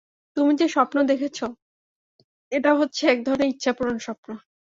তুমি যে-স্বপ্ন দেখেছ এটা হচ্ছে এক ধরনের ইচ্ছাপূরণ স্বপ্ন।